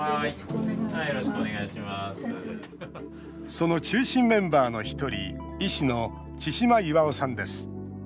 その中心メンバーのひとり医師の千嶋巌さんです。